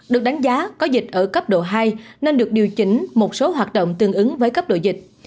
được đánh giá có dịch ở cấp độ hai nên được điều chỉnh một số hoạt động tương ứng với cấp độ dịch